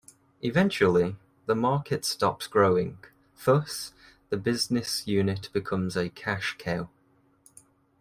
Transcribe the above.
Eventually, the market stops growing; thus, the business unit becomes a "cash cow".